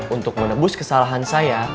untuk menebus kesalahan saya